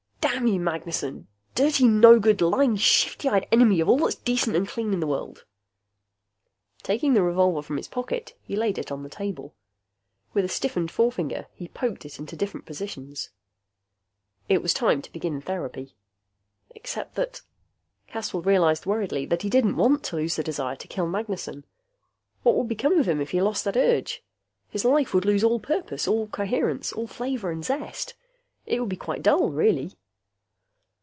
Damn you, Magnessen! Dirty no good lying shifty eyed enemy of all that's decent and clean in the world.... Taking the revolver from his pocket, he laid it on the table. With a stiffened forefinger, he poked it into different positions. It was time to begin therapy. Except that.... Caswell realized worriedly that he didn't want to lose the desire to kill Magnessen. What would become of him if he lost that urge? His life would lose all purpose, all coherence, all flavor and zest. It would be quite dull, really.